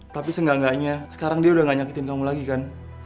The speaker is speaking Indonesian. tapi seenggaknya sekarang dia udah gak nyakitin kamu lagi kan